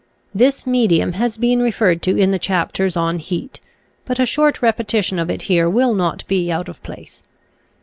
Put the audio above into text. This medium has been referred to in the chapters on Heat, but a short repetition of it here will not be out of place.